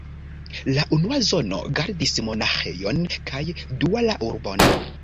La unua zono gardis monaĥejon kaj dua la urbon.